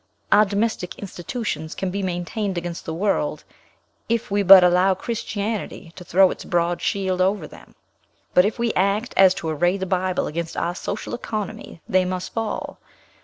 Our domestic institutions can be maintained against the world, if we but allow Christianity to throw its broad shield over them. But if we so act as to array the Bible against our social economy, they must fall.